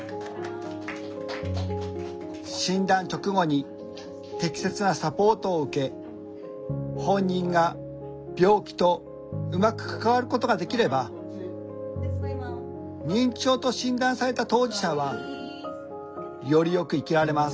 「診断直後に適切なサポートを受け本人が病気とうまく関わることができれば認知症と診断された当事者はよりよく生きられます」。